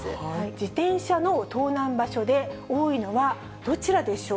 自転車の盗難場所で多いのはどちらでしょう。